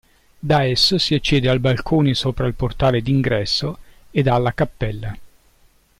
Da esso si accede al balcone sopra il portale d'ingresso ed alla cappella.